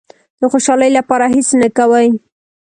د خوشالۍ لپاره هېڅ نه کوي.